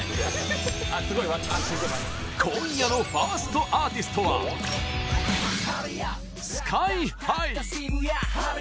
今夜のファーストアーティストはＳＫＹ‐ＨＩ！